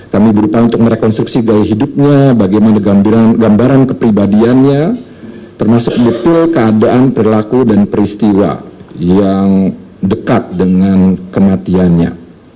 kami berupaya untuk merekonstruksi gaya hidupnya bagaimana gambaran kepribadiannya termasuk detail keadaan perilaku dan peristiwa yang dekat dengan kematiannya